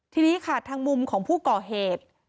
ทีนี้ค่ะทางมุมของผู้ก่อเหตุ